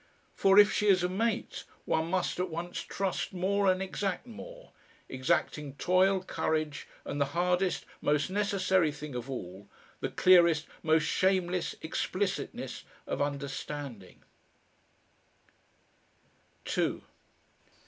For if she is a mate, one must at once trust more and exact more, exacting toil, courage, and the hardest, most necessary thing of all, the clearest, most shameless, explicitness of understanding....